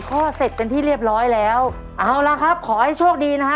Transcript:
พ่อเสร็จเป็นที่เรียบร้อยแล้วเอาละครับขอให้โชคดีนะฮะ